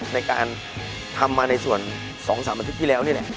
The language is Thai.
ในการทำมาในส่วน๒๓อาทิตย์ที่แล้วนี่แหละ